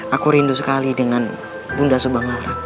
aku rindu sekali dengan bunda subang laura